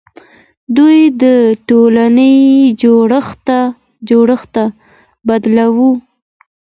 دوی د ټولنې جوړښت بدلوي.